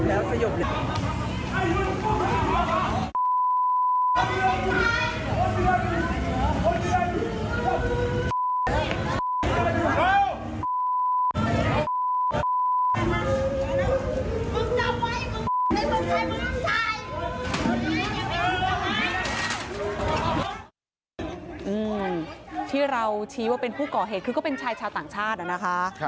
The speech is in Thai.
ที่เราชี้ว่าเป็นผู้ก่อเหตุคือก็เป็นชายชาวต่างชาตินะคะ